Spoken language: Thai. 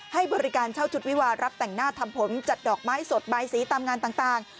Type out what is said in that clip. ให้บริการเช่าชุดวิวารับแต่งหน้าทำผมจัดดอกไม้สดใบสีตามงานต่าง